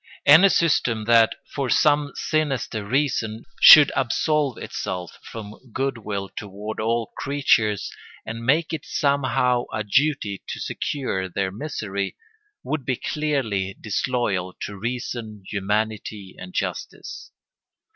Any system that, for some sinister reason, should absolve itself from good will toward all creatures, and make it somehow a duty to secure their misery, would be clearly disloyal to reason, humanity, and justice.